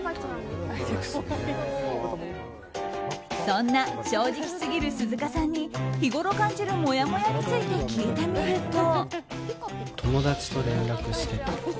そんな正直すぎる鈴鹿さんに日ごろ感じるもやもやについて聞いてみると。